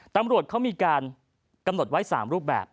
ตำรวจเขามีการกำหนดไว้๓รูปแบบ